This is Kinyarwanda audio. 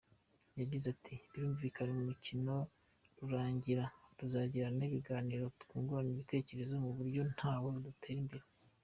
Yagize ati:” Birumvikana umukino nurangira tuzagirana ibiganiro, twungurane ibitekerezo ku buryo natwe twatera imbere.